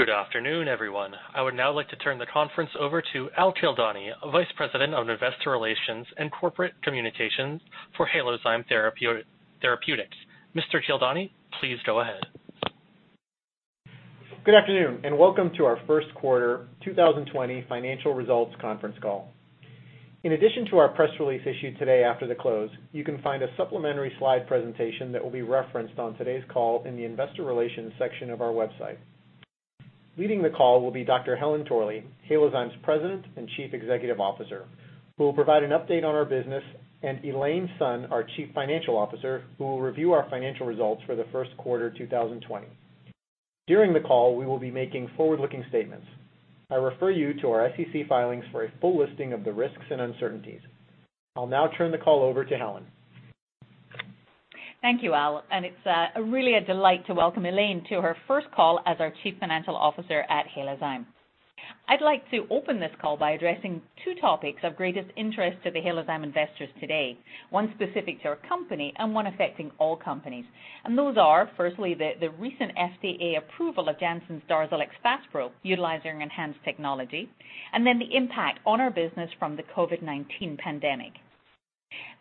Good afternoon, everyone. I would now like to turn the conference over to Al Kildani, Vice President of Investor Relations and Corporate Communications for Halozyme Therapeutics. Mr. Kildani, please go ahead. Good afternoon, and welcome to our first quarter 2020 financial results conference call. In addition to our press release issued today after the close, you can find a supplementary slide presentation that will be referenced on today's call in the Investor Relations section of our website. Leading the call will be Dr. Helen Torley, Halozyme's President and Chief Executive Officer, who will provide an update on our business, and Elaine Sun, our Chief Financial Officer, who will review our financial results for the first quarter 2020. During the call, we will be making forward-looking statements. I refer you to our SEC filings for a full listing of the risks and uncertainties. I'll now turn the call over to Helen. Thank you, Al. It's really a delight to welcome Elaine to her first call as our Chief Financial Officer at Halozyme. I'd like to open this call by addressing two topics of greatest interest to the Halozyme investors today, one specific to our company and one affecting all companies. Those are, firstly, the recent FDA approval of Janssen's DARZALEX FASPRO, utilizing ENHANZE technology, and then the impact on our business from the COVID-19 pandemic.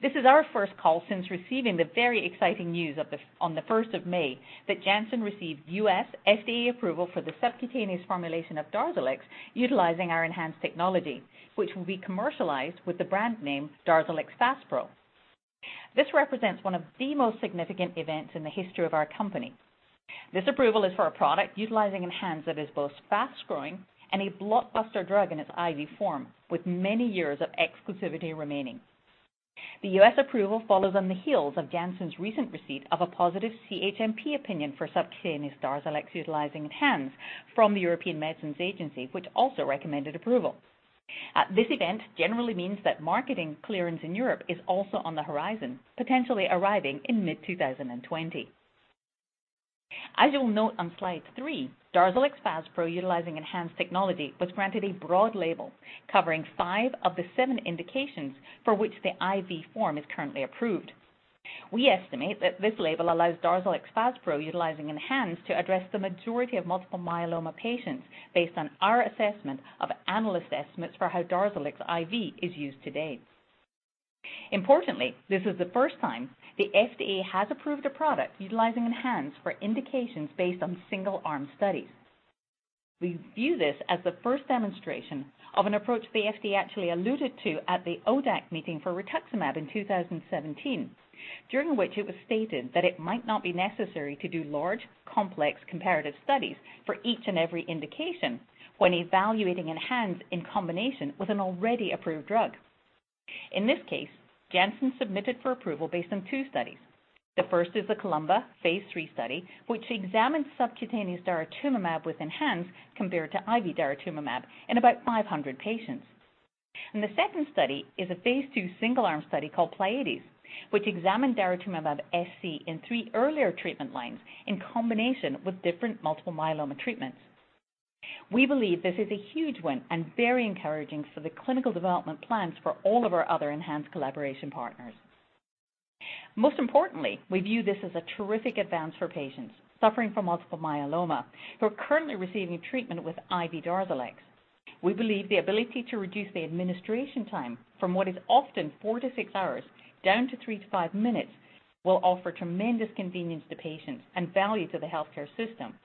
This is our first call since receiving the very exciting news on the 1st of May that Janssen received U.S. FDA approval for the subcutaneous formulation of DARZALEX utilizing our ENHANZE technology, which will be commercialized with the brand name DARZALEX FASPRO. This represents one of the most significant events in the history of our company. This approval is for a product utilizing ENHANZE that is both fast-growing and a blockbuster drug in its IV form, with many years of exclusivity remaining. The U.S. approval follows on the heels of Janssen's recent receipt of a positive CHMP opinion for subcutaneous DARZALEX utilizing ENHANZE from the European Medicines Agency, which also recommended approval. This event generally means that marketing clearance in Europe is also on the horizon, potentially arriving in mid-2020. As you will note on slide three, DARZALEX FASPRO utilizing ENHANZE technology was granted a broad label covering five of the seven indications for which the IV form is currently approved. We estimate that this label allows DARZALEX FASPRO utilizing ENHANZE to address the majority of multiple myeloma patients based on our assessment of analyst estimates for how DARZALEX IV is used today. Importantly, this is the first time the FDA has approved a product utilizing ENHANZE for indications based on single-arm studies. We view this as the first demonstration of an approach the FDA actually alluded to at the ODAC meeting for rituximab in 2017, during which it was stated that it might not be necessary to do large, complex comparative studies for each and every indication when evaluating ENHANZE in combination with an already approved drug. In this case, Janssen submitted for approval based on two studies. The first is the COLUMBA phase III study, which examined subcutaneous daratumumab with ENHANZE compared to IV daratumumab in about 500 patients. And the second study is a phase II single-arm study called PLEIADES, which examined daratumumab SC in three earlier treatment lines in combination with different multiple myeloma treatments. We believe this is a huge win and very encouraging for the clinical development plans for all of our other ENHANZE collaboration partners. Most importantly, we view this as a terrific advance for patients suffering from multiple myeloma who are currently receiving treatment with IV DARZALEX. We believe the ability to reduce the administration time from what is often four to six hours down to three to five minutes will offer tremendous convenience to patients and value to the healthcare system.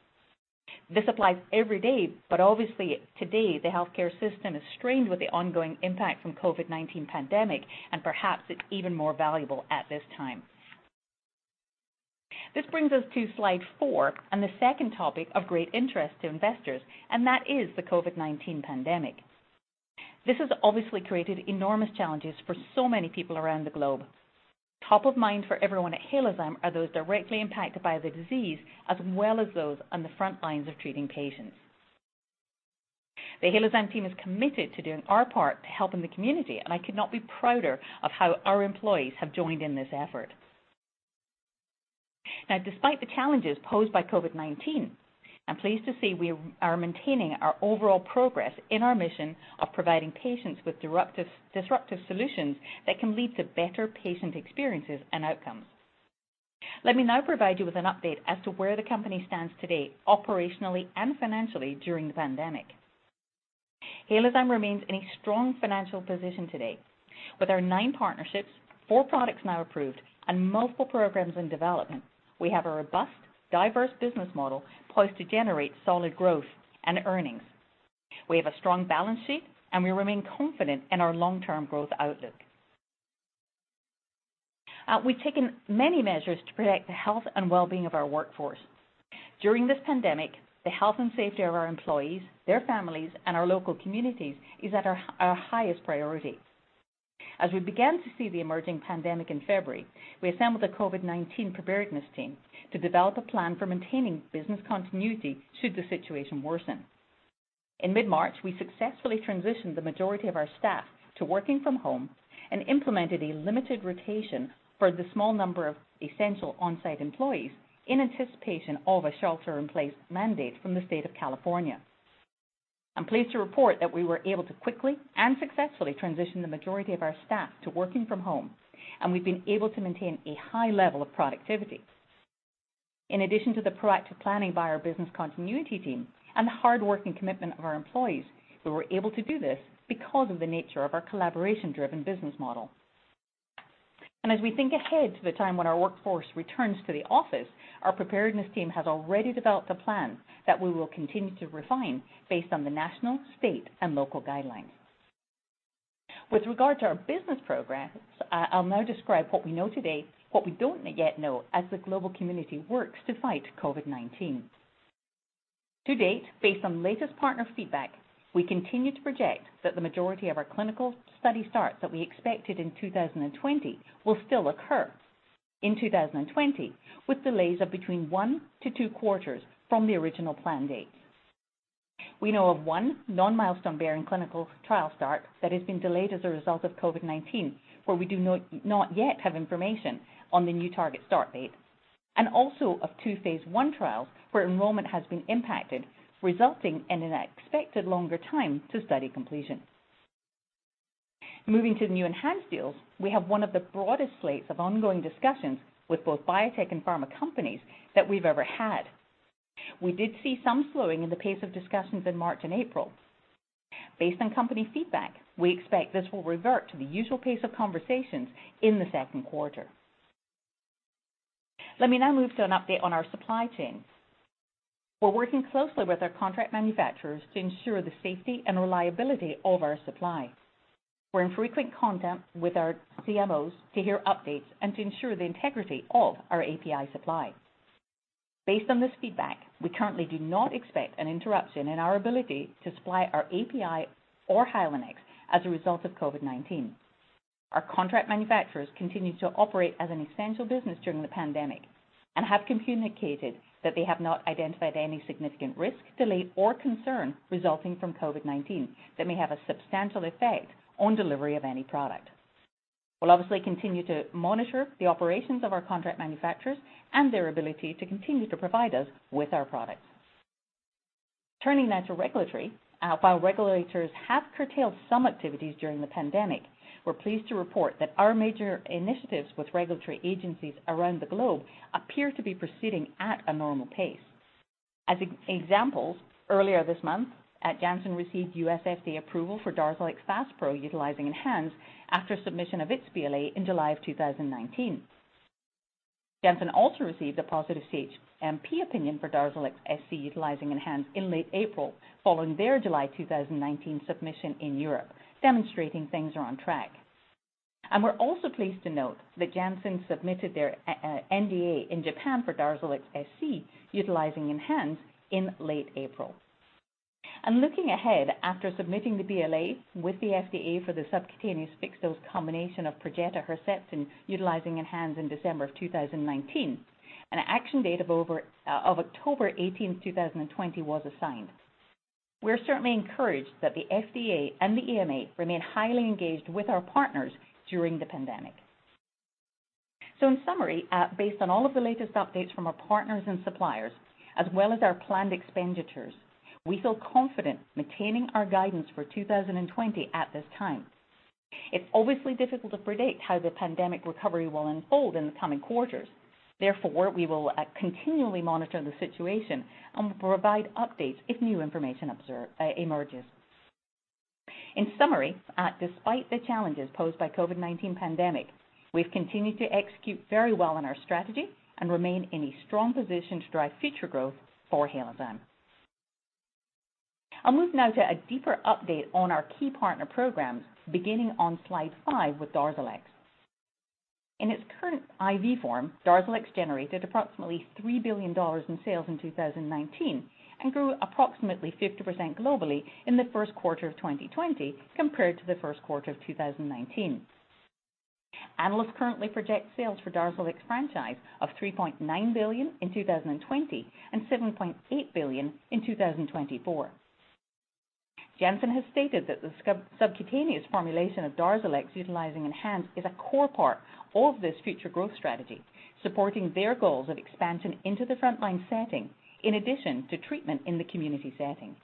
This applies every day, but obviously today the healthcare system is strained with the ongoing impact from the COVID-19 pandemic, and perhaps it's even more valuable at this time. This brings us to slide four and the second topic of great interest to investors, and that is the COVID-19 pandemic. This has obviously created enormous challenges for so many people around the globe. Top of mind for everyone at Halozyme are those directly impacted by the disease as well as those on the front lines of treating patients. The Halozyme team is committed to doing our part to help in the community, and I could not be prouder of how our employees have joined in this effort. Now, despite the challenges posed by COVID-19, I'm pleased to see we are maintaining our overall progress in our mission of providing patients with disruptive solutions that can lead to better patient experiences and outcomes. Let me now provide you with an update as to where the company stands today operationally and financially during the pandemic. Halozyme remains in a strong financial position today. With our nine partnerships, four products now approved, and multiple programs in development, we have a robust, diverse business model poised to generate solid growth and earnings. We have a strong balance sheet, and we remain confident in our long-term growth outlook. We've taken many measures to protect the health and well-being of our workforce. During this pandemic, the health and safety of our employees, their families, and our local communities is at our highest priority. As we began to see the emerging pandemic in February, we assembled a COVID-19 preparedness team to develop a plan for maintaining business continuity should the situation worsen. In mid-March, we successfully transitioned the majority of our staff to working from home and implemented a limited rotation for the small number of essential on-site employees in anticipation of a shelter-in-place mandate from the state of California. I'm pleased to report that we were able to quickly and successfully transition the majority of our staff to working from home, and we've been able to maintain a high level of productivity. In addition to the proactive planning by our business continuity team and the hardworking commitment of our employees, we were able to do this because of the nature of our collaboration-driven business model, and as we think ahead to the time when our workforce returns to the office, our preparedness team has already developed a plan that we will continue to refine based on the national, state, and local guidelines. With regard to our business programs, I'll now describe what we know today, what we don't yet know as the global community works to fight COVID-19. To date, based on latest partner feedback, we continue to project that the majority of our clinical study starts that we expected in 2020 will still occur in 2020, with delays of between one to two quarters from the original planned date. We know of one non-milestone bearing clinical trial start that has been delayed as a result of COVID-19, where we do not yet have information on the new target start date, and also of two phase I trials where enrollment has been impacted, resulting in an expected longer time to study completion. Moving to the new ENHANZE deals, we have one of the broadest slates of ongoing discussions with both biotech and pharma companies that we've ever had. We did see some slowing in the pace of discussions in March and April. Based on company feedback, we expect this will revert to the usual pace of conversations in the second quarter. Let me now move to an update on our supply chain. We're working closely with our contract manufacturers to ensure the safety and reliability of our supply. We're in frequent contact with our CMOs to hear updates and to ensure the integrity of our API supply. Based on this feedback, we currently do not expect an interruption in our ability to supply our API or Hylenex as a result of COVID-19. Our contract manufacturers continue to operate as an essential business during the pandemic and have communicated that they have not identified any significant risk, delay, or concern resulting from COVID-19 that may have a substantial effect on delivery of any product. We'll obviously continue to monitor the operations of our contract manufacturers and their ability to continue to provide us with our products. Turning now to regulatory, while regulators have curtailed some activities during the pandemic, we're pleased to report that our major initiatives with regulatory agencies around the globe appear to be proceeding at a normal pace. As examples, earlier this month, Janssen received U.S. FDA approval for DARZALEX FASPRO utilizing ENHANZE after submission of its BLA in July of 2019. Janssen also received a positive CHMP opinion for DARZALEX SC utilizing ENHANZE in late April following their July 2019 submission in Europe, demonstrating things are on track. And we're also pleased to note that Janssen submitted their NDA in Japan for DARZALEX SC utilizing ENHANZE in late April. And looking ahead after submitting the BLA with the FDA for the subcutaneous fixed dose combination of Perjeta and Herceptin utilizing ENHANZE in December of 2019, an action date of October 18th, 2020, was assigned. We're certainly encouraged that the FDA and the EMA remain highly engaged with our partners during the pandemic. In summary, based on all of the latest updates from our partners and suppliers, as well as our planned expenditures, we feel confident maintaining our guidance for 2020 at this time. It's obviously difficult to predict how the pandemic recovery will unfold in the coming quarters. Therefore, we will continually monitor the situation and will provide updates if new information emerges. In summary, despite the challenges posed by the COVID-19 pandemic, we've continued to execute very well on our strategy and remain in a strong position to drive future growth for Halozyme. I'll move now to a deeper update on our key partner programs, beginning on slide five with DARZALEX. In its current IV form, DARZALEX generated approximately $3 billion in sales in 2019 and grew approximately 50% globally in the first quarter of 2020 compared to the first quarter of 2019. Analysts currently project sales for DARZALEX franchise of $3.9 billion in 2020 and $7.8 billion in 2024. Janssen has stated that the subcutaneous formulation of DARZALEX utilizing ENHANZE is a core part of this future growth strategy, supporting their goals of expansion into the frontline setting in addition to treatment in the community setting.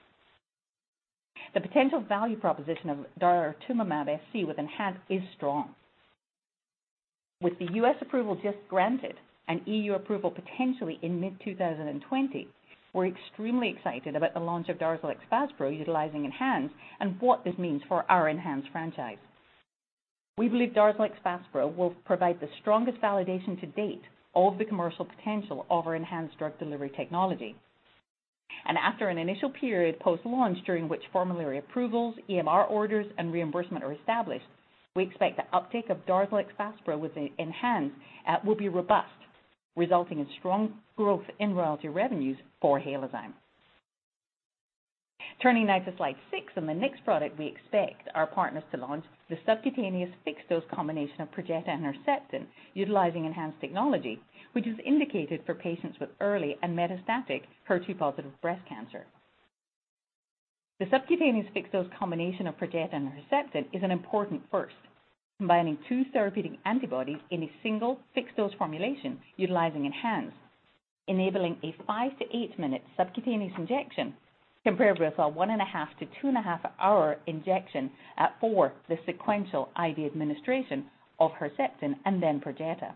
The potential value proposition of daratumumab SC with ENHANZE is strong. With the U.S. approval just granted and E.U. approval potentially in mid-2020, we're extremely excited about the launch of DARZALEX FASPRO utilizing ENHANZE and what this means for our ENHANZE franchise. We believe DARZALEX FASPRO will provide the strongest validation to date of the commercial potential of our ENHANZE drug delivery technology. And after an initial period post-launch during which formulary approvals, EMR orders, and reimbursement are established, we expect the uptake of DARZALEX FASPRO with ENHANZE will be robust, resulting in strong growth in royalty revenues for Halozyme. Turning now to slide six and the next product we expect our partners to launch, the subcutaneous fixed dose combination of Perjeta and Herceptin utilizing ENHANZE technology, which is indicated for patients with early and metastatic HER2-positive breast cancer. The subcutaneous fixed dose combination of Perjeta and Herceptin is an important first, combining two therapeutic antibodies in a single fixed dose formulation utilizing ENHANZE, enabling a five- to eight-minute subcutaneous injection compared with a one-and-a-half- to two-and-a-half-hour IV for the sequential IV administration of Herceptin and then Perjeta.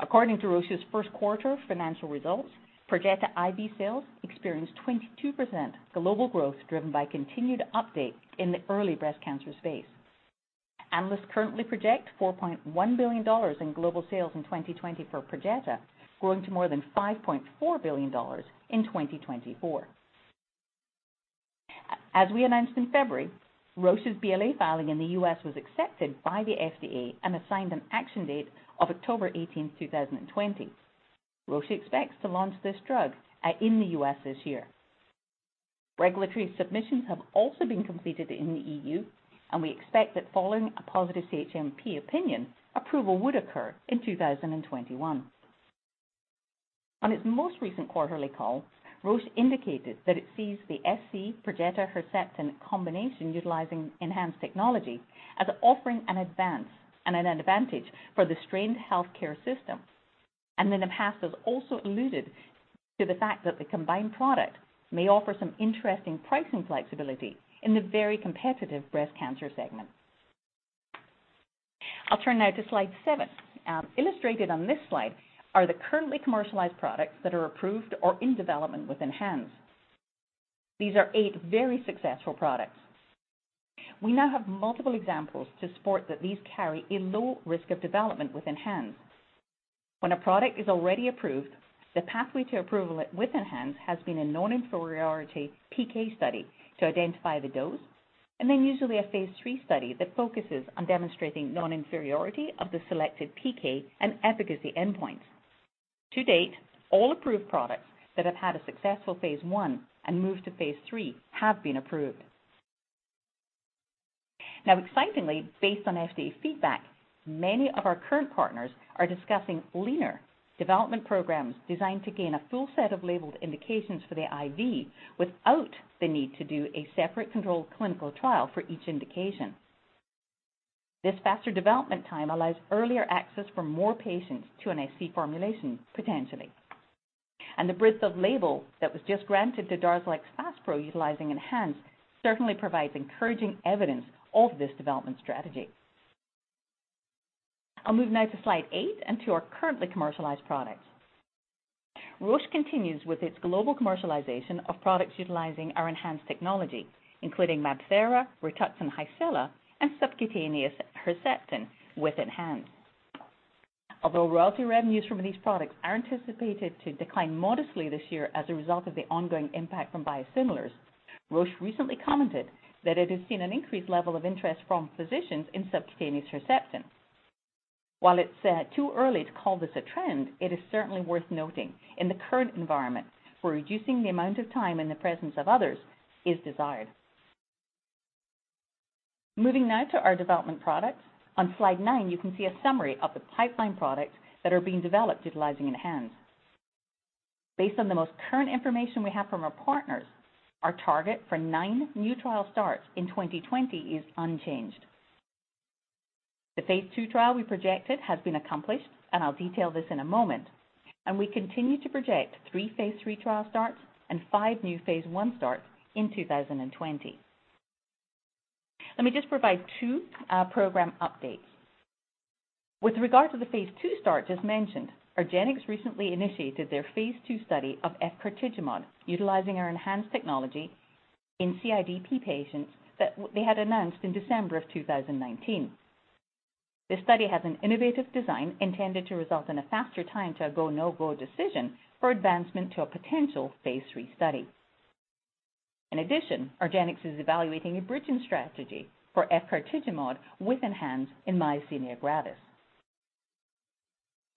According to Roche's first quarter financial results, Perjeta IV sales experienced 22% global growth driven by continued uptake in the early breast cancer space. Analysts currently project $4.1 billion in global sales in 2020 for Perjeta, growing to more than $5.4 billion in 2024. As we announced in February, Roche's BLA filing in the U.S. was accepted by the FDA and assigned an action date of October 18th, 2020. Roche expects to launch this drug in the U.S. this year. Regulatory submissions have also been completed in the EU, and we expect that following a positive CHMP opinion, approval would occur in 2021. On its most recent quarterly call, Roche indicated that it sees the SC Perjeta-Herceptin combination utilizing ENHANZE technology as offering an advance and an advantage for the strained healthcare system. Then the partners also alluded to the fact that the combined product may offer some interesting pricing flexibility in the very competitive breast cancer segment. I'll turn now to slide seven. Illustrated on this slide are the currently commercialized products that are approved or in development with ENHANZE. These are eight very successful products. We now have multiple examples to support that these carry a low risk of development with ENHANZE. When a product is already approved, the pathway to approval with ENHANZE has been a non-inferiority PK study to identify the dose, and then usually a phase III study that focuses on demonstrating non-inferiority of the selected PK and efficacy endpoints. To date, all approved products that have had a successful phase I and moved to phase III have been approved. Now, excitingly, based on FDA feedback, many of our current partners are discussing leaner development programs designed to gain a full set of labeled indications for the IV without the need to do a separate controlled clinical trial for each indication. This faster development time allows earlier access for more patients to an SC formulation potentially. And the breadth of label that was just granted to DARZALEX FASPRO utilizing ENHANZE certainly provides encouraging evidence of this development strategy. I'll move now to slide eight and to our currently commercialized products. Roche continues with its global commercialization of products utilizing our ENHANZE technology, including MabThera, Rituxan Hycela, and subcutaneous Herceptin with ENHANZE. Although royalty revenues from these products are anticipated to decline modestly this year as a result of the ongoing impact from biosimilars, Roche recently commented that it has seen an increased level of interest from physicians in subcutaneous Herceptin. While it's too early to call this a trend, it is certainly worth noting in the current environment where reducing the amount of time in the presence of others is desired. Moving now to our development products, on slide nine, you can see a summary of the pipeline products that are being developed utilizing ENHANZE. Based on the most current information we have from our partners, our target for nine new trial starts in 2020 is unchanged. The phase two trial we projected has been accomplished, and I'll detail this in a moment, and we continue to project three phase III trial starts and five new phase one starts in 2020. Let me just provide 2 program updates. With regard to the phase II start, as mentioned, argenx recently initiated their phase II study of efgartigimod utilizing our ENHANZE technology in CIDP patients that they had announced in December of 2019. This study has an innovative design intended to result in a faster time to a go/no-go decision for advancement to a potential phase III study. In addition, argenx is evaluating a bridging strategy for efgartigimod with ENHANZE in myasthenia gravis.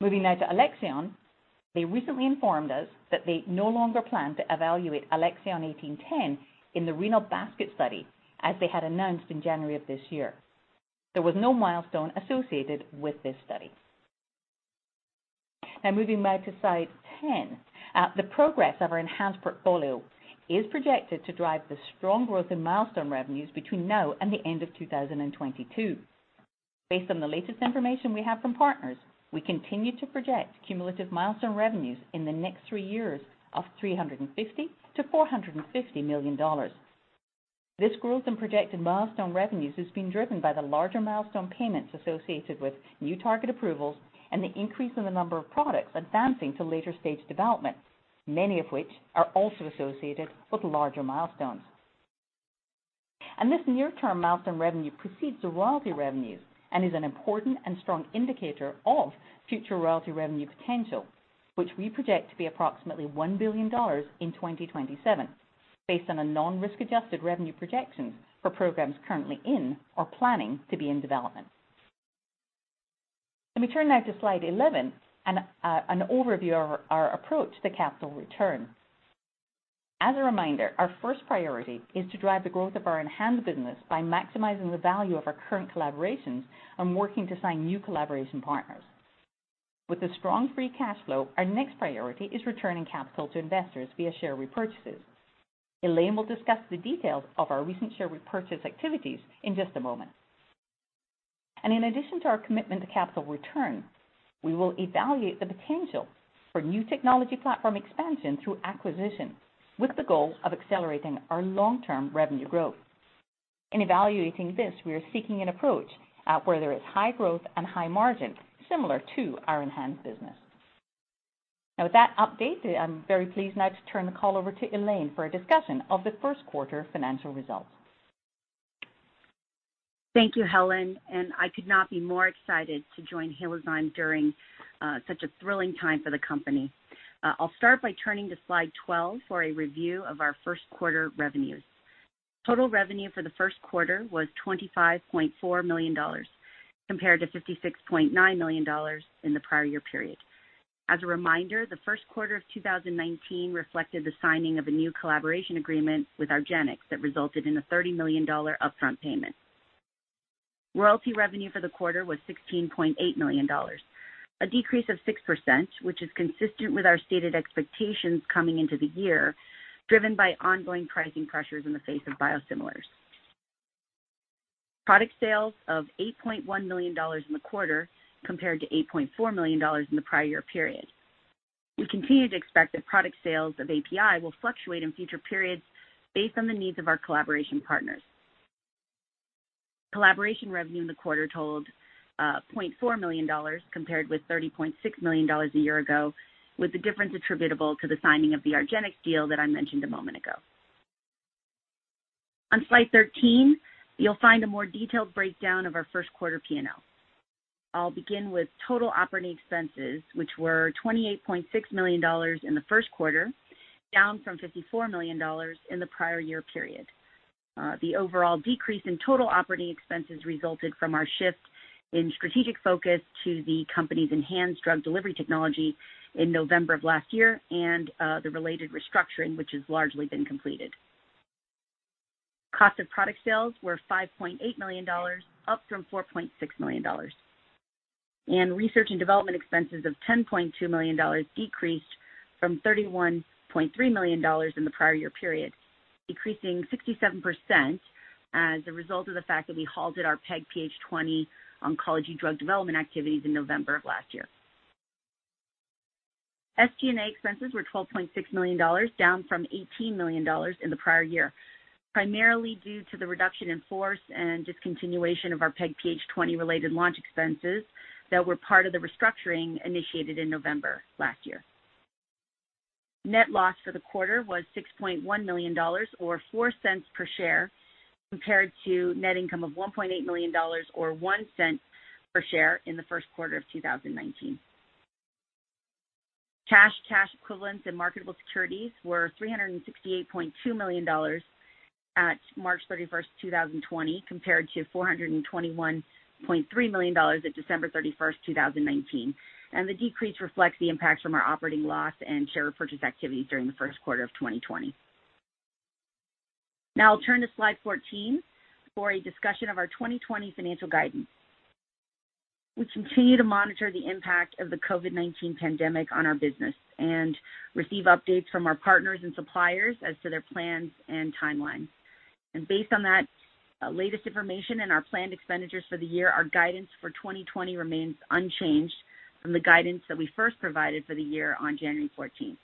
Moving now to Alexion, they recently informed us that they no longer plan to evaluate ALXN1810 in the renal basket study as they had announced in January of this year. There was no milestone associated with this study. Now, moving back to slide 10, the progress of our ENHANZE portfolio is projected to drive the strong growth in milestone revenues between now and the end of 2022. Based on the latest information we have from partners, we continue to project cumulative milestone revenues in the next three years of $350-$450 million. This growth in projected milestone revenues has been driven by the larger milestone payments associated with new target approvals and the increase in the number of products advancing to later-stage development, many of which are also associated with larger milestones. And this near-term milestone revenue precedes the royalty revenues and is an important and strong indicator of future royalty revenue potential, which we project to be approximately $1 billion in 2027, based on the non-risk-adjusted revenue projections for programs currently in or planning to be in development. Let me turn now to slide 11 and an overview of our approach to capital return. As a reminder, our first priority is to drive the growth of our ENHANZE business by maximizing the value of our current collaborations and working to sign new collaboration partners. With a strong free cash flow, our next priority is returning capital to investors via share repurchases. Elaine will discuss the details of our recent share repurchase activities in just a moment. And in addition to our commitment to capital return, we will evaluate the potential for new technology platform expansion through acquisition with the goal of accelerating our long-term revenue growth. In evaluating this, we are seeking an approach where there is high growth and high margin similar to our ENHANZE business. Now, with that update, I'm very pleased now to turn the call over to Elaine for a discussion of the first quarter financial results. Thank you, Helen. I could not be more excited to join Halozyme during such a thrilling time for the company. I'll start by turning to slide 12 for a review of our first quarter revenues. Total revenue for the first quarter was $25.4 million compared to $56.9 million in the prior year period. As a reminder, the first quarter of 2019 reflected the signing of a new collaboration agreement with argenx that resulted in a $30 million upfront payment. Royalty revenue for the quarter was $16.8 million, a decrease of 6%, which is consistent with our stated expectations coming into the year, driven by ongoing pricing pressures in the face of biosimilars. Product sales of $8.1 million in the quarter compared to $8.4 million in the prior year period. We continue to expect that product sales of API will fluctuate in future periods based on the needs of our collaboration partners. Collaboration revenue in the quarter totaled $0.4 million compared with $30.6 million a year ago, with the difference attributable to the signing of the argenx deal that I mentioned a moment ago. On slide 13, you'll find a more detailed breakdown of our first quarter P&L. I'll begin with total operating expenses, which were $28.6 million in the first quarter, down from $54 million in the prior year period. The overall decrease in total operating expenses resulted from our shift in strategic focus to the company's ENHANZE drug delivery technology in November of last year and the related restructuring, which has largely been completed. Cost of product sales were $5.8 million, up from $4.6 million. Research and development expenses of $10.2 million decreased from $31.3 million in the prior year period, decreasing 67% as a result of the fact that we halted our PEGPH20 oncology drug development activities in November of last year. SG&A expenses were $12.6 million, down from $18 million in the prior year, primarily due to the reduction in force and discontinuation of our PEGPH20 related launch expenses that were part of the restructuring initiated in November last year. Net loss for the quarter was $6.1 million, or 4 cents per share, compared to net income of $1.8 million, or 1 cent per share in the first quarter of 2019. Cash equivalents and marketable securities were $368.2 million at March 31st, 2020, compared to $421.3 million at December 31st, 2019. The decrease reflects the impact from our operating loss and share repurchase activities during the first quarter of 2020. Now, I'll turn to slide 14 for a discussion of our 2020 financial guidance. We continue to monitor the impact of the COVID-19 pandemic on our business and receive updates from our partners and suppliers as to their plans and timeline. Based on that latest information and our planned expenditures for the year, our guidance for 2020 remains unchanged from the guidance that we first provided for the year on January 14th.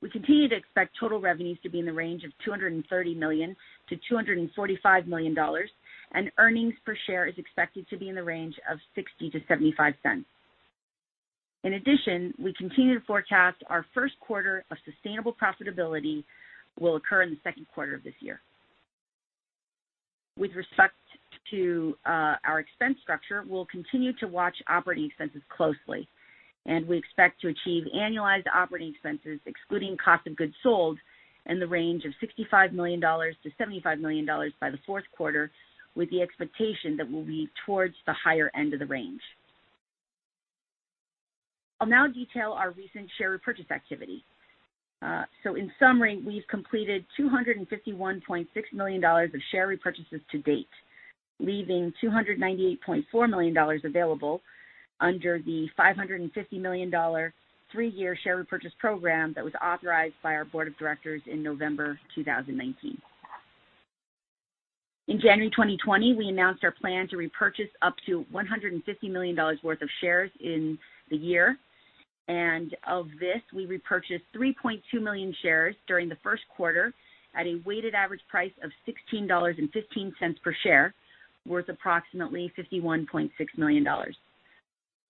We continue to expect total revenues to be in the range of $230-$245 million, and earnings per share is expected to be in the range of $0.60-$0.75. In addition, we continue to forecast our first quarter of sustainable profitability will occur in the second quarter of this year. With respect to our expense structure, we'll continue to watch operating expenses closely, and we expect to achieve annualized operating expenses, excluding cost of goods sold, in the range of $65-$75 million by the fourth quarter, with the expectation that we'll be towards the higher end of the range. I'll now detail our recent share repurchase activity, so in summary, we've completed $251.6 million of share repurchases to date, leaving $298.4 million available under the $550 million three-year share repurchase program that was authorized by our board of directors in November 2019. In January 2020, we announced our plan to repurchase up to $150 million worth of shares in the year, and of this, we repurchased 3.2 million shares during the first quarter at a weighted average price of $16.15 per share, worth approximately $51.6 million.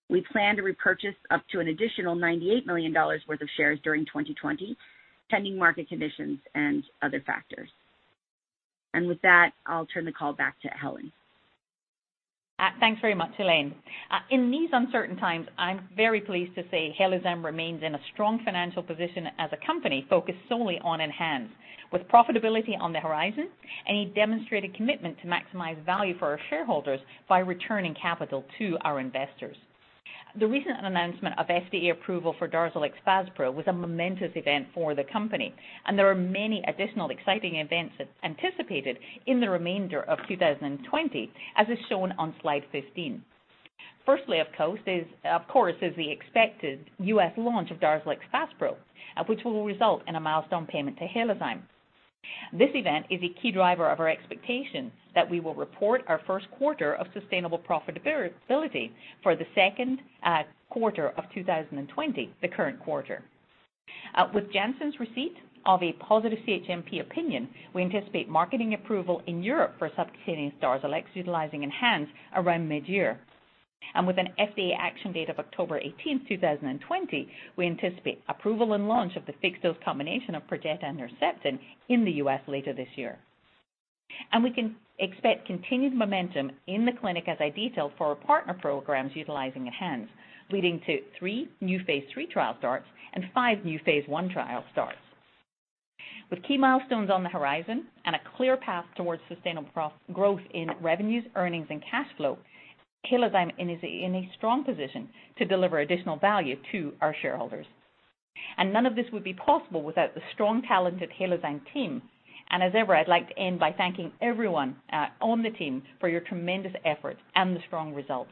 We plan to repurchase up to an additional $98 million worth of shares during 2020, pending market conditions and other factors. And with that, I'll turn the call back to Helen. Thanks very much, Elaine. In these uncertain times, I'm very pleased to say Halozyme remains in a strong financial position as a company focused solely on ENHANZE, with profitability on the horizon, and a demonstrated commitment to maximize value for our shareholders by returning capital to our investors. The recent announcement of FDA approval for DARZALEX FASPRO was a momentous event for the company, and there are many additional exciting events anticipated in the remainder of 2020, as is shown on slide 15. Firstly, of course, is the expected U.S. launch of DARZALEX FASPRO, which will result in a milestone payment to Halozyme. This event is a key driver of our expectation that we will report our first quarter of sustainable profitability for the second quarter of 2020, the current quarter. With Janssen's receipt of a positive CHMP opinion, we anticipate marketing approval in Europe for subcutaneous DARZALEX utilizing ENHANZE around mid-year. And with an FDA action date of October 18th, 2020, we anticipate approval and launch of the fixed dose combination of Perjeta and Herceptin in the U.S. later this year. And we can expect continued momentum in the clinic, as I detailed for our partner programs utilizing ENHANZE, leading to three new phase III trial starts and five new phase I trial starts. With key milestones on the horizon and a clear path towards sustainable growth in revenues, earnings, and cash flow, Halozyme is in a strong position to deliver additional value to our shareholders. None of this would be possible without the strong, talented Halozyme team. As ever, I'd like to end by thanking everyone on the team for your tremendous efforts and the strong results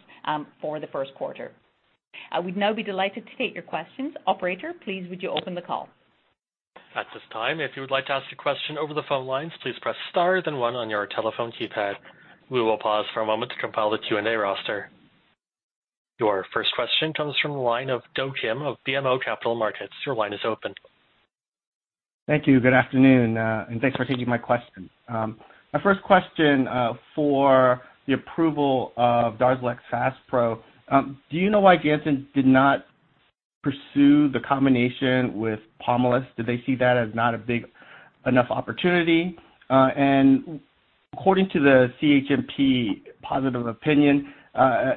for the first quarter. I would now be delighted to take your questions. Operator, please, would you open the call? At this time, if you would like to ask a question over the phone lines, please press star then one on your telephone keypad. We will pause for a moment to compile the Q&A roster. Your first question comes from the line of Do Kim of BMO Capital Markets. Your line is open. Thank you. Good afternoon, and thanks for taking my question. My first question for the approval of DARZALEX FASPRO, do you know why Janssen did not pursue the combination with Pomalyst? Did they see that as not a big enough opportunity? According to the CHMP positive opinion,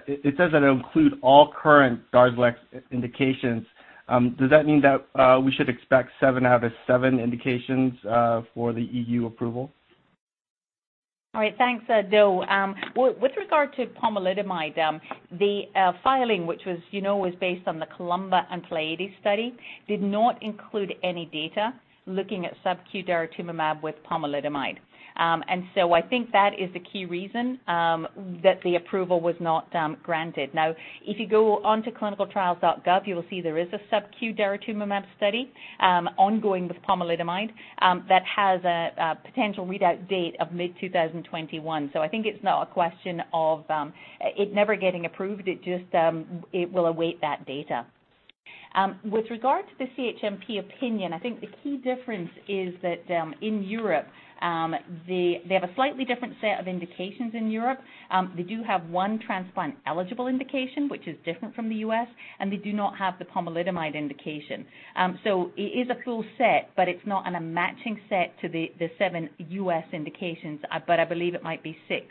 it says that it will include all current DARZALEX indications. Does that mean that we should expect seven out of seven indications for the EU approval? All right. Thanks, Do. With regard to pomalidomide, the filing, which was based on the COLUMBA and PLEIADES study, did not include any data looking at SubQ daratumumab with pomalidomide. And so I think that is the key reason that the approval was not granted. Now, if you go on to clinicaltrials.gov, you will see there is a SubQ daratumumab study ongoing with pomalidomide that has a potential readout date of mid-2021. So I think it's not a question of it never getting approved. It will await that data. With regard to the CHMP opinion, I think the key difference is that in Europe, they have a slightly different set of indications in Europe. They do have one transplant-eligible indication, which is different from the U.S., and they do not have the pomalidomide indication. So it is a full set, but it's not a matching set to the seven U.S. indications, but I believe it might be six.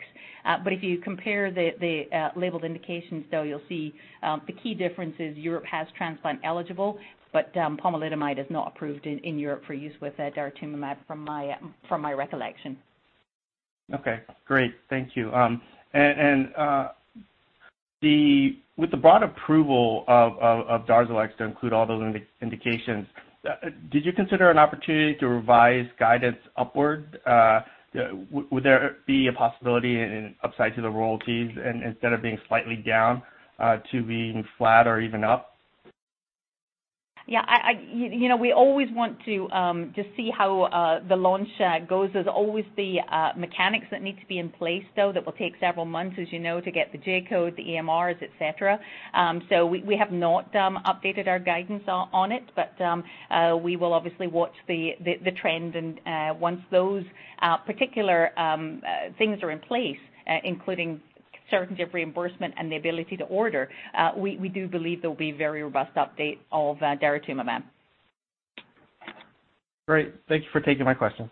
But if you compare the labeled indications, though, you'll see the key difference is Europe has transplant-eligible, but pomalidomide is not approved in Europe for use with daratumumab, from my recollection. Okay. Great. Thank you. And with the broad approval of DARZALEX to include all those indications, did you consider an opportunity to revise guidance upward? Would there be a possibility in upside to the royalties instead of being slightly down to being flat or even up? Yeah. We always want to just see how the launch goes. There's always the mechanics that need to be in place, though, that will take several months, as you know, to get the J-code, the EMRs, etc. So we have not updated our guidance on it, but we will obviously watch the trend. And once those particular things are in place, including certainty of reimbursement and the ability to order, we do believe there will be a very robust uptake of daratumumab. Great. Thank you for taking my question.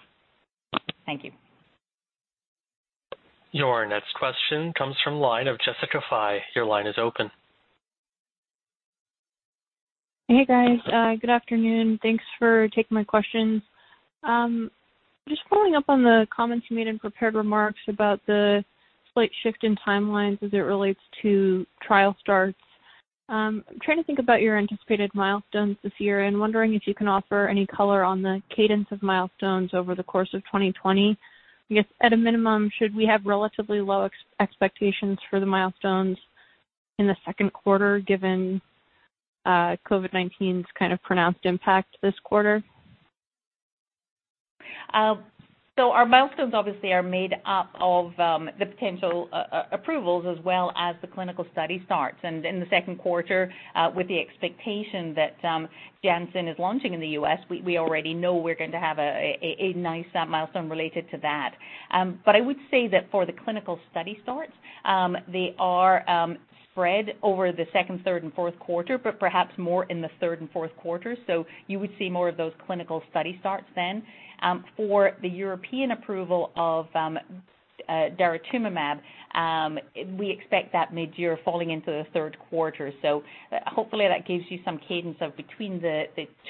Thank you. Your next question comes from the line of Jessica Fye. Your line is open. Hey, guys. Good afternoon. Thanks for taking my questions. Just following up on the comments you made and prepared remarks about the slight shift in timelines as it relates to trial starts, I'm trying to think about your anticipated milestones this year and wondering if you can offer any color on the cadence of milestones over the course of 2020. I guess, at a minimum, should we have relatively low expectations for the milestones in the second quarter, given COVID-19's kind of pronounced impact this quarter? Our milestones obviously are made up of the potential approvals as well as the clinical study starts. In the second quarter, with the expectation that Janssen is launching in the U.S., we already know we're going to have a nice milestone related to that. But I would say that for the clinical study starts, they are spread over the second, third, and fourth quarter, but perhaps more in the third and fourth quarter. So you would see more of those clinical study starts then. For the European approval of daratumumab, we expect that mid-year falling into the third quarter. So hopefully, that gives you some cadence of between the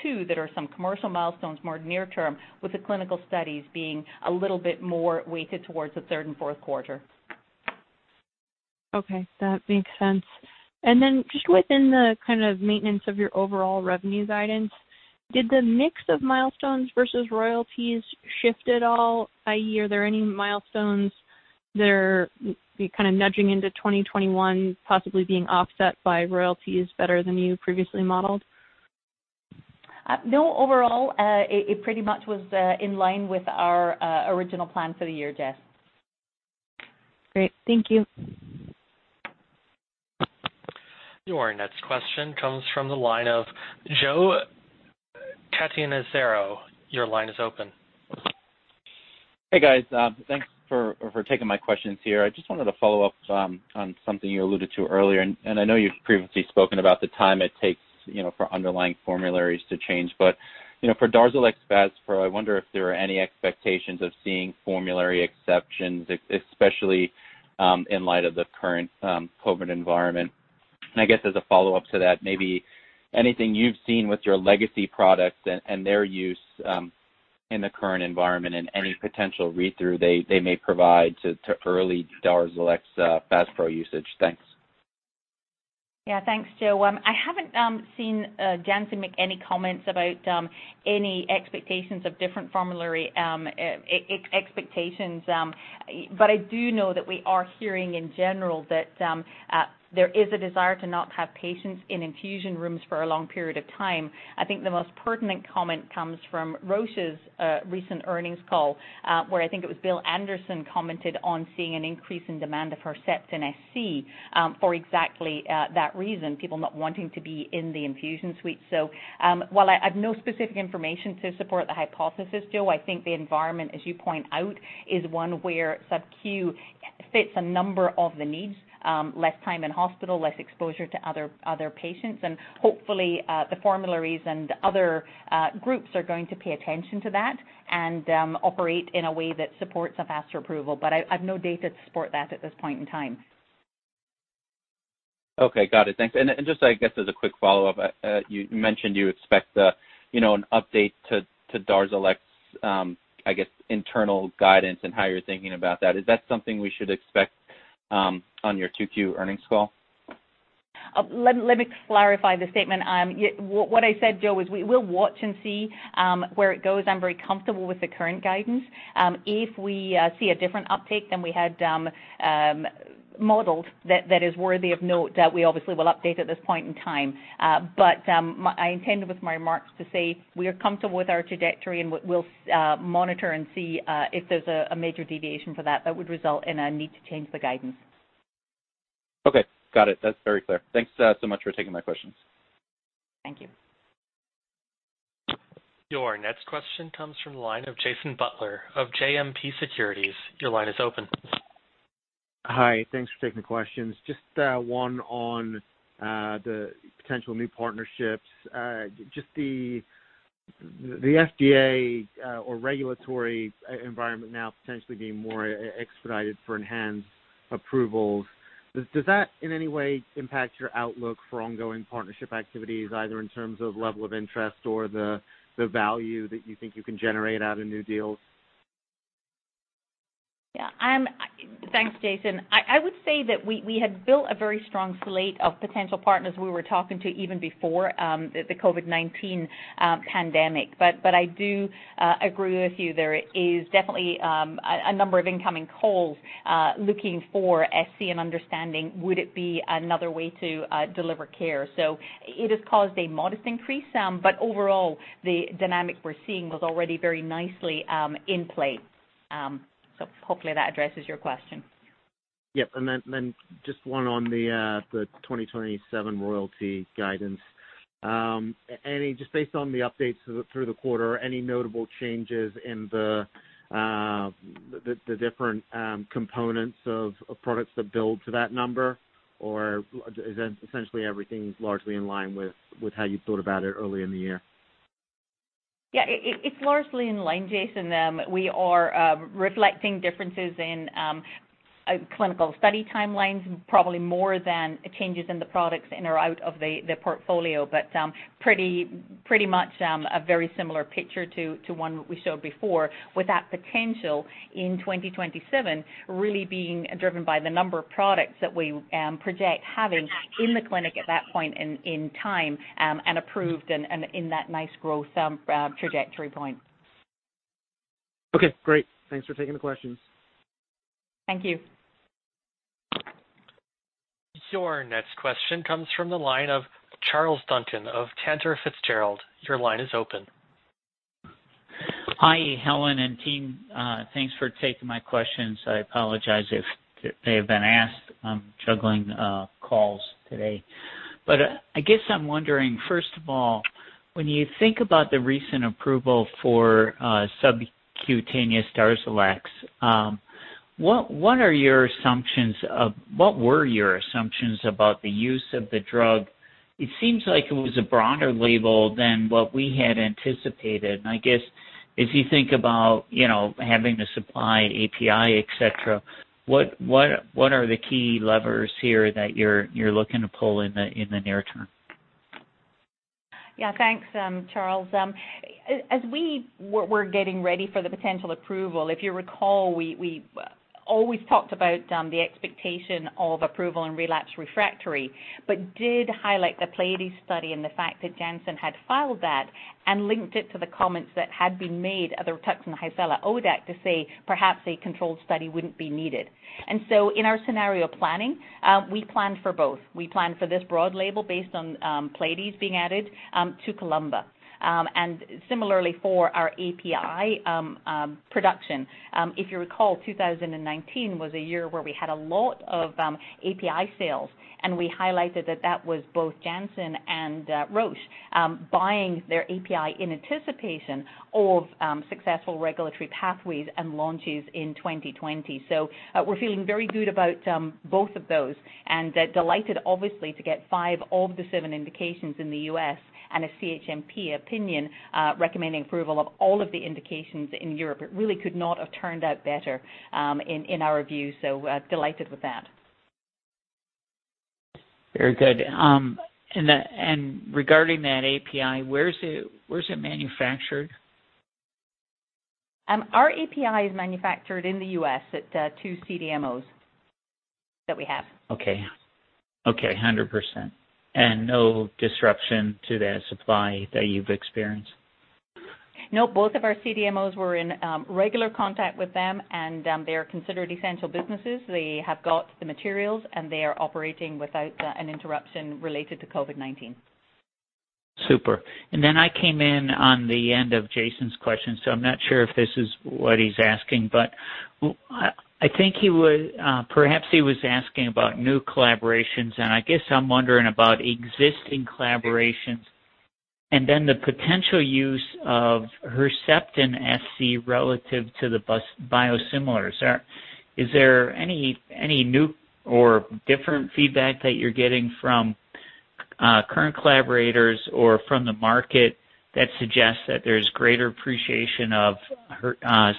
two that are some commercial milestones more near term, with the clinical studies being a little bit more weighted towards the third and fourth quarter. Okay. That makes sense. And then just within the kind of maintenance of your overall revenue guidance, did the mix of milestones versus royalties shift at all? Are there any milestones that are kind of nudging into 2021, possibly being offset by royalties better than you previously modeled? No, overall, it pretty much was in line with our original plan for the year, Jess. Great. Thank you. Your next question comes from the line of Joe Catanzaro. Your line is open. Hey, guys. Thanks for taking my questions here. I just wanted to follow up on something you alluded to earlier. And I know you've previously spoken about the time it takes for underlying formularies to change. But for DARZALEX FASPRO, I wonder if there are any expectations of seeing formulary exceptions, especially in light of the current COVID environment. And I guess as a follow-up to that, maybe anything you've seen with your legacy products and their use in the current environment and any potential read-through they may provide to early DARZALEX FASPRO usage. Thanks. Yeah. Thanks, Joe. I haven't seen Janssen make any comments about any expectations of different formulary expectations. But I do know that we are hearing in general that there is a desire to not have patients in infusion rooms for a long period of time. I think the most pertinent comment comes from Roche's recent earnings call, where I think it was Bill Anderson commented on seeing an increase in demand of Herceptin SC for exactly that reason, people not wanting to be in the infusion suite. So while I have no specific information to support the hypothesis, Joe, I think the environment, as you point out, is one where SubQ fits a number of the needs: less time in hospital, less exposure to other patients. And hopefully, the formularies and other groups are going to pay attention to that and operate in a way that supports a faster approval. But I have no data to support that at this point in time. Okay. Got it. Thanks. And just, I guess, as a quick follow-up, you mentioned you expect an update to DARZALEX, I guess, internal guidance and how you're thinking about that. Is that something we should expect on your 2Q earnings call? Let me clarify the statement. What I said, Joe, is we will watch and see where it goes. I'm very comfortable with the current guidance. If we see a different uptake than we had modeled, that is worthy of note that we obviously will update at this point in time. But I intended with my remarks to say we are comfortable with our trajectory, and we'll monitor and see if there's a major deviation for that that would result in a need to change the guidance. Okay. Got it. That's very clear. Thanks so much for taking my questions. Thank you. Your next question comes from the line of Jason Butler of JMP Securities. Your line is open. Hi. Thanks for taking the questions. Just one on the potential new partnerships. Just the FDA or regulatory environment now potentially being more expedited for ENHANZE approvals. Does that in any way impact your outlook for ongoing partnership activities, either in terms of level of interest or the value that you think you can generate out of new deals? Yeah. Thanks, Jason. I would say that we had built a very strong slate of potential partners we were talking to even before the COVID-19 pandemic. But I do agree with you. There is definitely a number of incoming calls looking for SC and understanding, would it be another way to deliver care? So it has caused a modest increase. But overall, the dynamic we're seeing was already very nicely in place. So hopefully, that addresses your question. Yep. And then just one on the 2027 royalty guidance. Just based on the updates through the quarter, any notable changes in the different components of products that build to that number? Or is essentially everything largely in line with how you thought about it early in the year? Yeah. It's largely in line, Jason. We are reflecting differences in clinical study timelines, probably more than changes in the products in or out of the portfolio. But pretty much a very similar picture to one we showed before, with that potential in 2027 really being driven by the number of products that we project having in the clinic at that point in time and approved and in that nice growth trajectory point. Okay. Great. Thanks for taking the questions. Thank you. Your next question comes from the line of Charles Duncan of Cantor Fitzgerald. Your line is open. Hi, Helen and team. Thanks for taking my questions. I apologize if they have been asked. I'm juggling calls today. But I guess I'm wondering, first of all, when you think about the recent approval for subcutaneous DARZALEX, what were your assumptions about the use of the drug? It seems like it was a broader label than what we had anticipated. And I guess as you think about having the supply API, etc., what are the key levers here that you're looking to pull in the near term? Yeah. Thanks, Charles. As we were getting ready for the potential approval, if you recall, we always talked about the expectation of approval and relapsed refractory. But did highlight the PLEIADES study and the fact that Janssen had filed that and linked it to the comments that had been made of the rituximab and hyaluronidase ODAC to say perhaps a controlled study wouldn't be needed. And so in our scenario planning, we planned for both. We planned for this broad label based on PLEIADES being added to COLUMBA. And similarly for our API production. If you recall, 2019 was a year where we had a lot of API sales. And we highlighted that that was both Janssen and Roche buying their API in anticipation of successful regulatory pathways and launches in 2020. So we're feeling very good about both of those and delighted, obviously, to get five of the seven indications in the U.S. and a CHMP opinion recommending approval of all of the indications in Europe. It really could not have turned out better in our view. So delighted with that. Very good. And regarding that API, where's it manufactured? Our API is manufactured in the U.S. at two CDMOs that we have. Okay. Okay. 100%. And no disruption to the supply that you've experienced? No. Both of our CDMOs were in regular contact with them, and they are considered essential businesses. They have got the materials, and they are operating without an interruption related to COVID-19. Super. And then I came in on the end of Jason's question. So I'm not sure if this is what he's asking. But I think he would perhaps he was asking about new collaborations. And I guess I'm wondering about existing collaborations and then the potential use of Herceptin SC relative to the biosimilars. Is there any new or different feedback that you're getting from current collaborators or from the market that suggests that there's greater appreciation of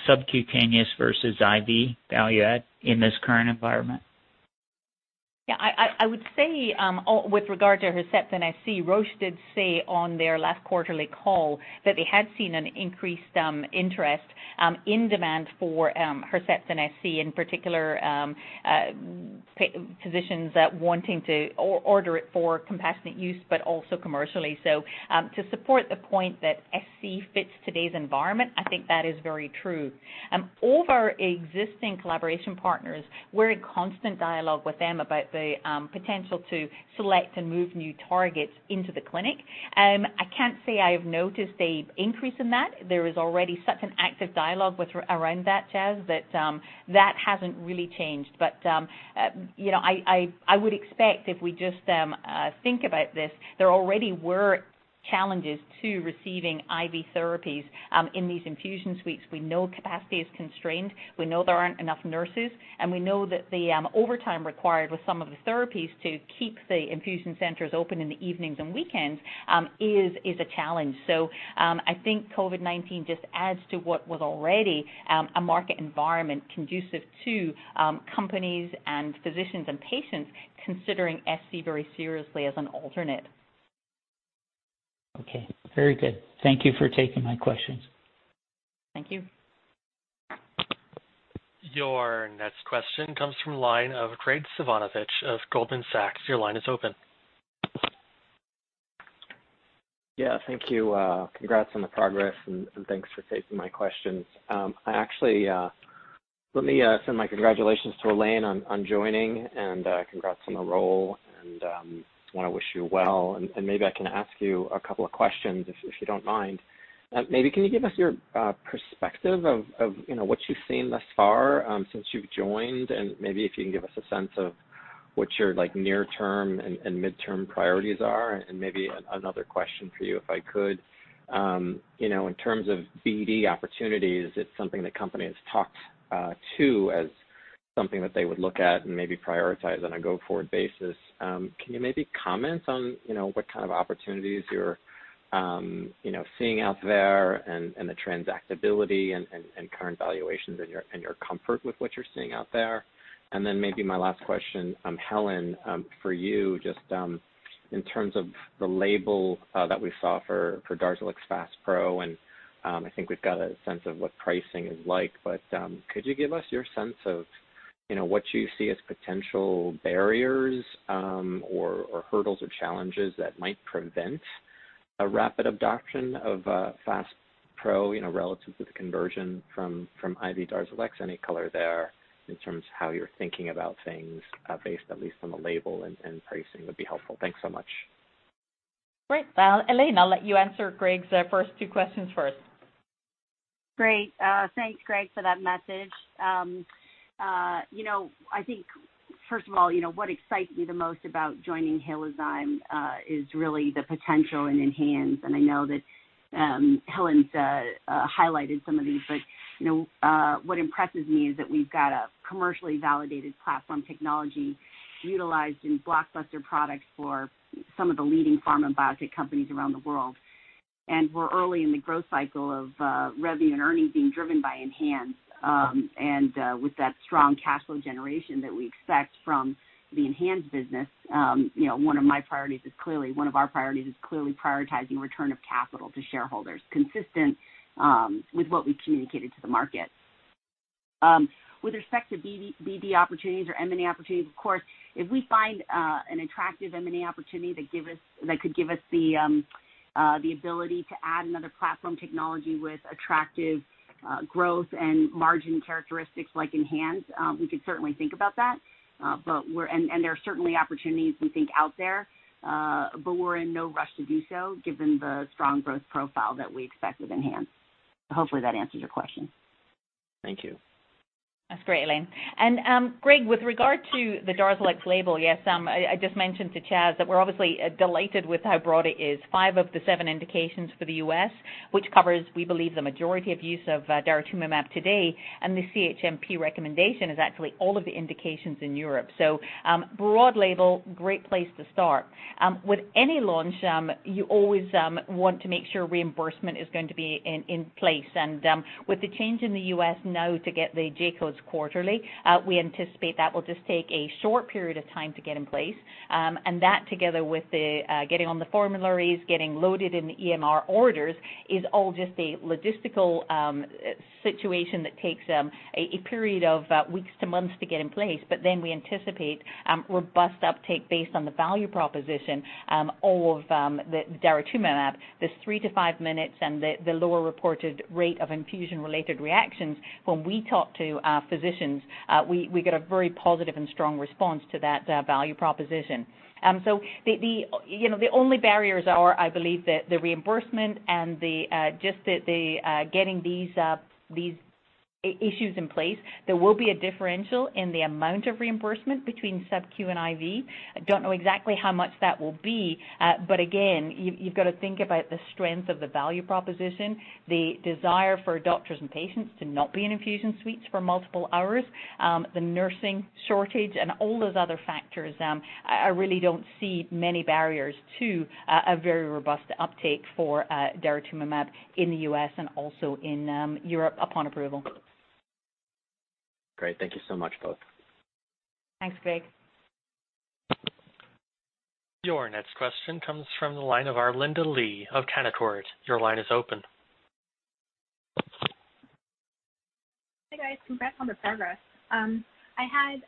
subcutaneous versus IV delivery in this current environment? Yeah. I would say with regard to Herceptin SC, Roche did say on their last quarterly call that they had seen an increased interest in demand for Herceptin SC, in particular, physicians wanting to order it for compassionate use but also commercially, so to support the point that SC fits today's environment, I think that is very true. All of our existing collaboration partners, we're in constant dialogue with them about the potential to select and move new targets into the clinic. I can't say I have noticed an increase in that. There is already such an active dialogue around that, Charles, that that hasn't really changed. But I would expect if we just think about this, there already were challenges to receiving IV therapies in these infusion suites. We know capacity is constrained. We know there aren't enough nurses. And we know that the overtime required with some of the therapies to keep the infusion centers open in the evenings and weekends is a challenge. So I think COVID-19 just adds to what was already a market environment conducive to companies and physicians and patients considering SC very seriously as an alternate. Okay. Very good. Thank you for taking my questions. Thank you. Your next question comes from the line of Graig Suvannavejh of Goldman Sachs. Your line is open. Yeah. Thank you. Congrats on the progress. And thanks for taking my questions. Actually, let me send my congratulations to Elaine on joining and congrats on the role. And I want to wish you well. Maybe I can ask you a couple of questions if you don't mind. Maybe can you give us your perspective of what you've seen thus far since you've joined? And maybe if you can give us a sense of what your near-term and mid-term priorities are. And maybe another question for you if I could. In terms of BD opportunities, it's something that companies talk to as something that they would look at and maybe prioritize on a go-forward basis. Can you maybe comment on what kind of opportunities you're seeing out there and the transactability and current valuations and your comfort with what you're seeing out there? And then maybe my last question, Helen, for you, just in terms of the label that we saw for DARZALEX FASPRO. And I think we've got a sense of what pricing is like. But could you give us your sense of what you see as potential barriers or hurdles or challenges that might prevent a rapid adoption of DARZALEX FASPRO relative to the conversion from IV DARZALEX? Any color there in terms of how you're thinking about things based, at least, on the label and pricing would be helpful. Thanks so much. Great. Elaine, I'll let you answer Graig's first two questions first. Great. Thanks, Graig, for that message. I think, first of all, what excites me the most about joining Halozyme is really the potential in ENHANZE. And I know that Helen's highlighted some of these. But what impresses me is that we've got a commercially validated platform technology utilized in blockbuster products for some of the leading pharma biotech companies around the world. And we're early in the growth cycle of revenue and earnings being driven by ENHANZE. And with that strong cash flow generation that we expect from the ENHANZE business, one of our priorities is clearly prioritizing return of capital to shareholders, consistent with what we communicated to the market. With respect to BD opportunities or M&A opportunities, of course, if we find an attractive M&A opportunity that could give us the ability to add another platform technology with attractive growth and margin characteristics like ENHANZE, we could certainly think about that. And there are certainly opportunities we think out there. But we're in no rush to do so given the strong growth profile that we expect with ENHANZE. Hopefully, that answers your question. Thank you. That's great, Elaine. And Graig, with regard to the DARZALEX label, yes, I just mentioned to Charles that we're obviously delighted with how broad it is. Five of the seven indications for the U.S., which covers, we believe, the majority of use of daratumumab today. And the CHMP recommendation is actually all of the indications in Europe. So broad label, great place to start. With any launch, you always want to make sure reimbursement is going to be in place. And with the change in the U.S. now to get the J codes quarterly, we anticipate that will just take a short period of time to get in place. And that, together with getting on the formularies, getting loaded in the EMR orders, is all just a logistical situation that takes a period of weeks to months to get in place. But then we anticipate robust uptake based on the value proposition of the daratumumab. This three to five minutes and the lower reported rate of infusion-related reactions, when we talk to physicians, we get a very positive and strong response to that value proposition. So the only barriers are, I believe, the reimbursement and just getting these issues in place. There will be a differential in the amount of reimbursement between SubQ and IV. I don't know exactly how much that will be. But again, you've got to think about the strength of the value proposition, the desire for doctors and patients to not be in infusion suites for multiple hours, the nursing shortage, and all those other factors. I really don't see many barriers to a very robust uptake for daratumumab in the U.S. and also in Europe upon approval. Great. Thank you so much, both. Thanks, Graig. Your next question comes from the line of Arlinda Lee of Canaccord. Your line is open. Hey, guys. Congrats on the progress. I had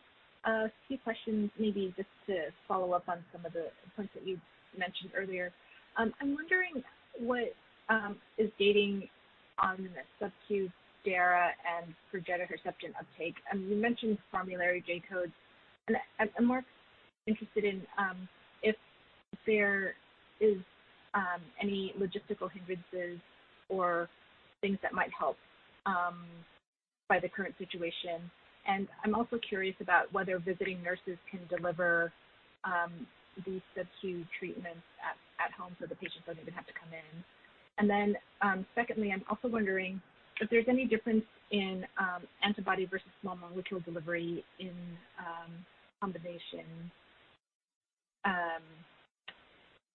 a few questions, maybe just to follow up on some of the points that you mentioned earlier. I'm wondering what is gating on SubQ Dara and Phesgo Herceptin uptake. You mentioned formulary J codes. And I'm more interested in if there is any logistical hindrances or things that might help by the current situation. And I'm also curious about whether visiting nurses can deliver these SubQ treatments at home so the patients don't even have to come in. And then secondly, I'm also wondering if there's any difference in antibody versus small molecule delivery in combination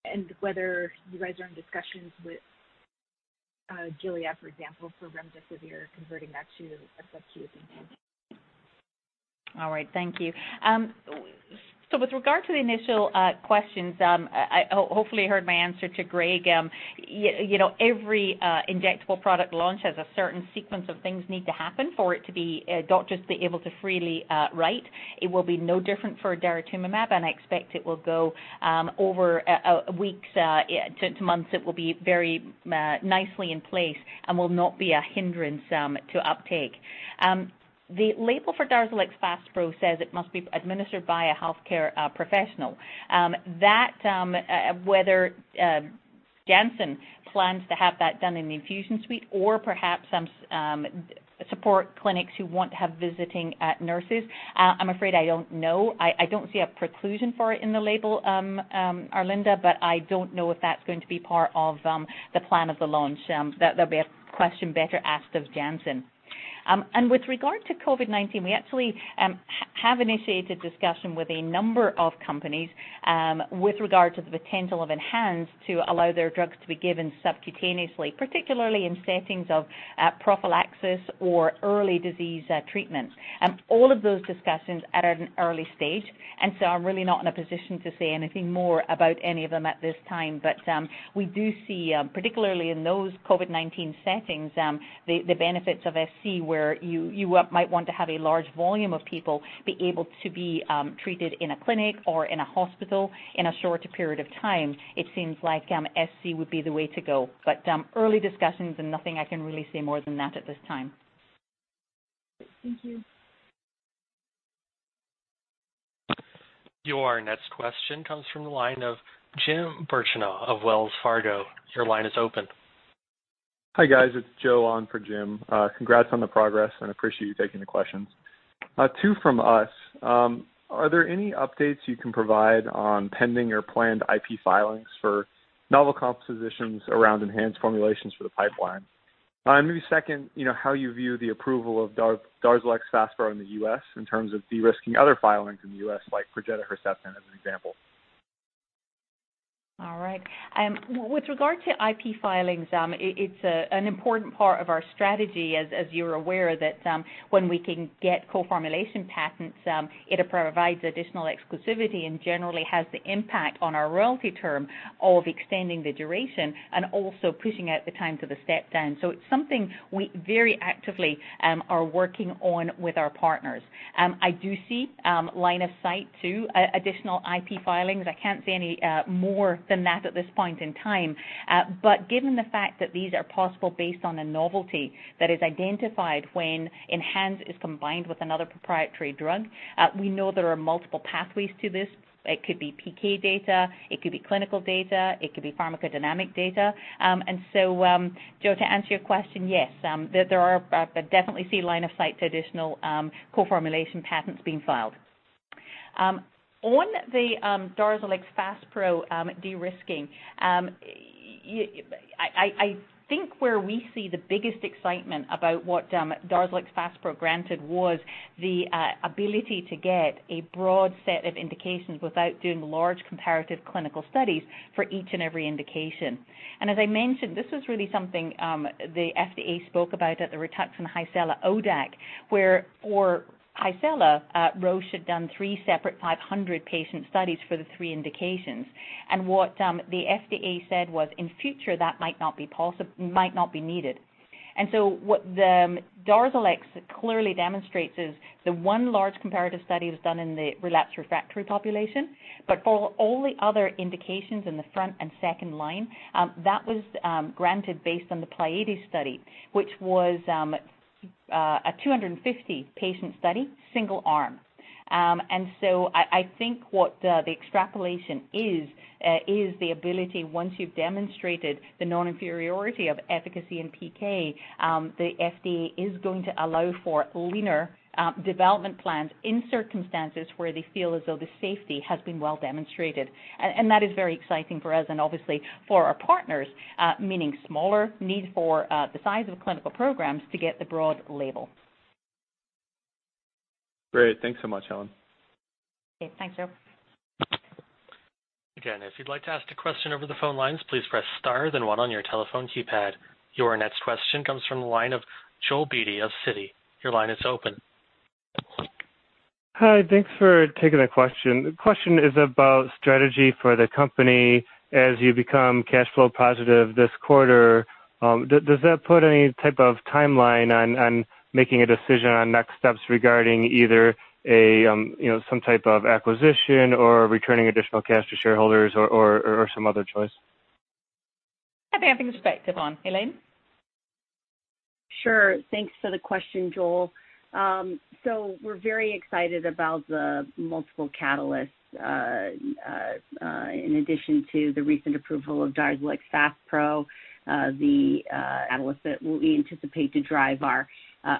and whether you guys are in discussions with Gilead, for example, for remdesivir and converting that to SubQ. All right. Thank you. So with regard to the initial questions, hopefully, you heard my answer to Graig. Every injectable product launch has a certain sequence of things that need to happen for the doctors to be able to freely write. It will be no different for daratumumab, and I expect it will go over weeks to months. It will be very nicely in place and will not be a hindrance to uptake. The label for DARZALEX FASPRO says it must be administered by a healthcare professional. Whether Janssen plans to have that done in the infusion suite or perhaps support clinics who want to have visiting nurses, I'm afraid I don't know. I don't see a preclusion for it in the label, Arlinda, but I don't know if that's going to be part of the plan of the launch. That'll be a question better asked of Janssen. With regard to COVID-19, we actually have initiated discussion with a number of companies with regard to the potential of ENHANZE to allow their drugs to be given subcutaneously, particularly in settings of prophylaxis or early disease treatment. All of those discussions are at an early stage. And so I'm really not in a position to say anything more about any of them at this time. But we do see, particularly in those COVID-19 settings, the benefits of SC where you might want to have a large volume of people be able to be treated in a clinic or in a hospital in a shorter period of time. It seems like SC would be the way to go. But early discussions and nothing I can really say more than that at this time. Thank you. Your next question comes from the line of Jim Birchenough of Wells Fargo. Your line is open. Hi, guys. It's Joe on for Jim. Congrats on the progress, and I appreciate you taking the questions. Two from us. Are there any updates you can provide on pending or planned IP filings for novel compositions around ENHANZE formulations for the pipeline? And maybe second, how you view the approval of DARZALEX FASPRO in the U.S. in terms of de-risking other filings in the U.S., like for Herceptin as an example? All right. With regard to IP filings, it's an important part of our strategy, as you're aware, that when we can get co-formulation patents, it provides additional exclusivity and generally has the impact on our royalty term of extending the duration and also pushing out the times of a step down. So it's something we very actively are working on with our partners. I do see line of sight to additional IP filings. I can't see any more than that at this point in time. Given the fact that these are possible based on a novelty that is identified when ENHANZE is combined with another proprietary drug, we know there are multiple pathways to this. It could be PK data. It could be clinical data. It could be pharmacodynamic data. And so, Joe, to answer your question, yes, there are definitely a clear line of sight to additional co-formulation patents being filed. On the DARZALEX FASPRO de-risking, I think where we see the biggest excitement about what DARZALEX FASPRO granted was the ability to get a broad set of indications without doing large comparative clinical studies for each and every indication. As I mentioned, this was really something the FDA spoke about at the Rituxan Hycela ODAC, where for Hycela, Roche had done three separate 500-patient studies for the three indications. What the FDA said was, in future, that might not be needed. So what the DARZALEX clearly demonstrates is the one large comparative study was done in the relapsed refractory population. But for all the other indications in the frontline and second-line, that was granted based on the PLEIADES study, which was a 250-patient study, single arm. So I think what the extrapolation is the ability, once you've demonstrated the non-inferiority of efficacy in PK, the FDA is going to allow for leaner development plans in circumstances where they feel as though the safety has been well demonstrated. And that is very exciting for us and obviously for our partners, meaning smaller need for the size of clinical programs to get the broad label. Great. Thanks so much, Helen. Okay. Thanks, Joe. Again, if you'd like to ask a question over the phone lines, please press star, then 1 on your telephone keypad. Your next question comes from the line of Joel Beatty of Citi. Your line is open. Hi. Thanks for taking the question. The question is about strategy for the company as you become cash flow positive this quarter. Does that put any type of timeline on making a decision on next steps regarding either some type of acquisition or returning additional cash to shareholders or some other choice? Happy to have you on, Elaine. Sure. Thanks for the question, Joel. So we're very excited about the multiple catalysts in addition to the recent approval of DARZALEX FASPRO, the catalysts that we anticipate to drive our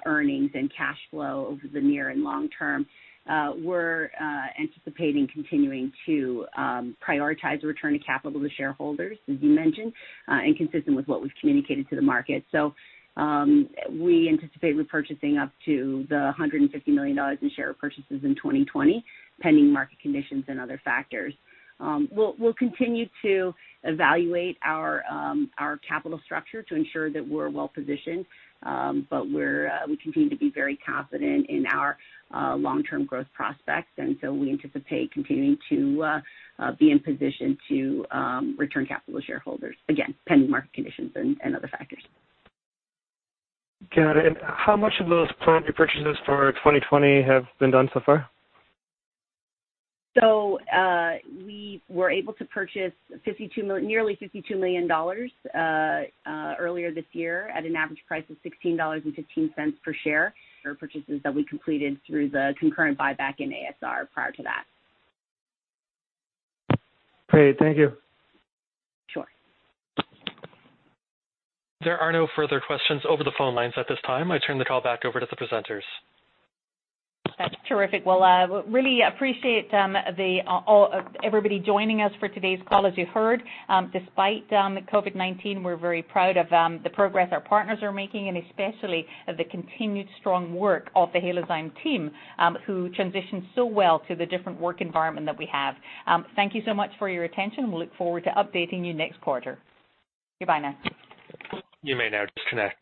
earnings and cash flow over the near and long term. We're anticipating continuing to prioritize return of capital to shareholders, as you mentioned, and consistent with what we've communicated to the market. So we anticipate repurchasing up to the $150 million in share repurchases in 2020, pending market conditions and other factors. We'll continue to evaluate our capital structure to ensure that we're well positioned. But we continue to be very confident in our long-term growth prospects. And so we anticipate continuing to be in position to return capital to shareholders, again, pending market conditions and other factors. Got it. And how much of those planned repurchases for 2020 have been done so far? So we were able to purchase nearly $52 million earlier this year at an average price of $16.15 per share. Purchases that we completed through the concurrent buyback in ASR prior to that. Great. Thank you. Sure. There are no further questions over the phone lines at this time. I turn the call back over to the presenters. That's terrific. We really appreciate everybody joining us for today's call. As you heard, despite COVID-19, we're very proud of the progress our partners are making and especially of the continued strong work of the Halozyme team who transitioned so well to the different work environment that we have. Thank you so much for your attention. We'll look forward to updating you next quarter. Goodbye now. You may now disconnect.